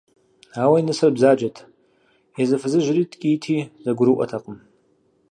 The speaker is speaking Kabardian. Ауэ и нысэр бзаджэт, езы фызыжьри ткӏийти зэгурыӏуэтэкъым.